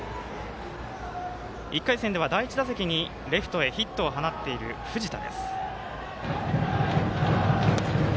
１回戦では第１打席にレフトへヒットを放っている藤田。